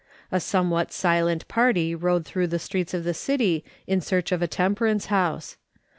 A somewhat silent party rode through the streets of the city in search of a temperance house.